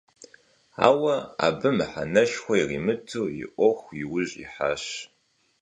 Ауэ абы мыхьэнэшхуэ иримыту и Ӏуэху и ужь ихьащ.